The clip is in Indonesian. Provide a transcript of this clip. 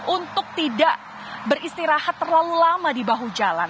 untuk tidak beristirahat terlalu lama di bahu jalan